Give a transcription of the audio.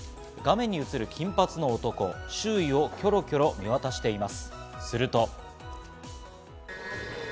画面に映る金髪の男、周囲をキョロキョロ見渡しています。